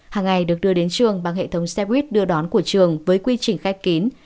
hàng ngày được đưa đến trường bằng hệ thống xe buýt đưa đón của trường với quy trình khép kín